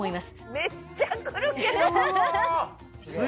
めっちゃ来るけど！